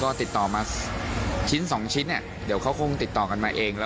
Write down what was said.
ก็ติดต่อมาชิ้นสองชิ้นคงติดต่อกันมาเอง